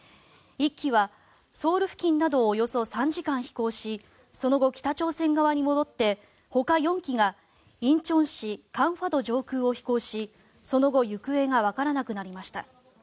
１機はソウル付近などをおよそ３時間飛行しその後、北朝鮮側に戻ってほか４機が仁川市・江華島上空を飛行しその後行方がわからなくなりました。